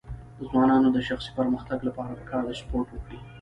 د ځوانانو د شخصي پرمختګ لپاره پکار ده چې سپورټ وکړي.